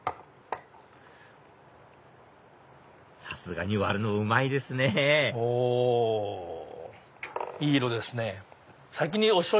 さすがに割るのうまいですねお！